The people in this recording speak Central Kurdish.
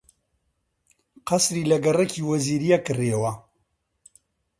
قەسری لە گەڕەکی وەزیرییە کڕیوە